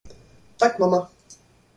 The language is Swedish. Tack, mamma.